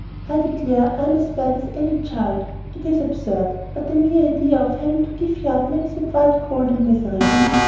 I declare, I am as bad as any child. It is absurd, but the mere idea of having to give you up makes me quite cold and miserable."